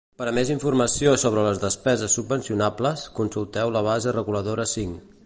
Per a més informació sobre les despeses subvencionables, consulteu la base reguladora cinc.